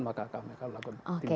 maka kami akan lakukan tindakan